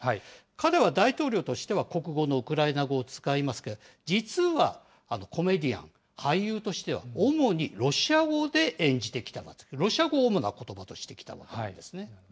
彼は大統領としては国語のウクライナ語を使いますが、実はコメディアン、俳優としては主にロシア語で演じてきた、ロシア語を主なことばとしてきたわけですね。